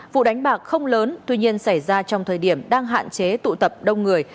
vụ đánh bạc không lớn tuy nhiên xảy ra trong thời điểm đang hạn chế tụ tập đông người